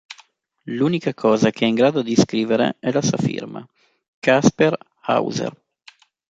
L'unica cosa che è in grado di scrivere è la sua firma, Kaspar Hauser.